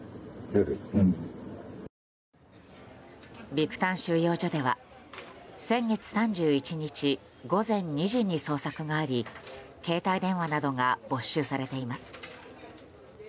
ビクタン収容所では先月３１日午前２時に捜索があり携帯電話などが没収されています。